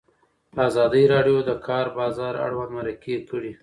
ازادي راډیو د د کار بازار اړوند مرکې کړي.